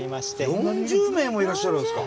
４０名もいらっしゃるんですか？